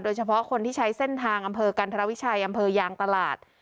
เฉพาะคนที่ใช้เส้นทางอำเภอกันธรวิชัยอำเภอยางตลาด